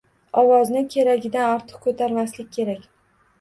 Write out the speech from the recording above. Ovozni keragidan ortiq ko‘tarmaslik kerak.